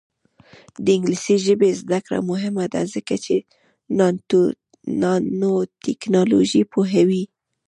د انګلیسي ژبې زده کړه مهمه ده ځکه چې نانوټیکنالوژي پوهوي.